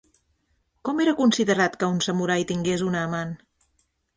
Com era considerat que un samurai tingués una amant?